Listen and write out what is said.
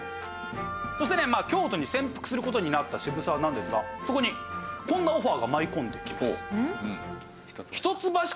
そして京都に潜伏する事になった渋沢なんですがそこにこんなオファーが舞い込んできます。